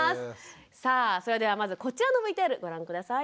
さあそれではまずこちらのＶＴＲご覧下さい。